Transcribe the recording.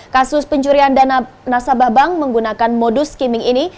kasus pencurian dana nasabah bank menggunakan modus skimming ini